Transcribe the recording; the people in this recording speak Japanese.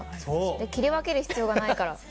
切り分ける必要がないから。